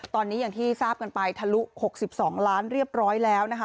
ตอนนี้อย่างที่ทราบกันไปทะลุ๖๒ล้านเรียบร้อยแล้วนะคะ